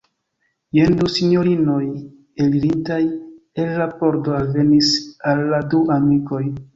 Jen du sinjorinoj elirintaj el la pordo alvenis al la du amikoj.